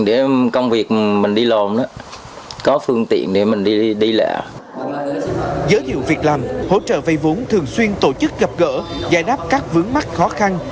giới thiệu việc làm hỗ trợ vay vốn thường xuyên tổ chức gặp gỡ giải đáp các vướng mắc khó khăn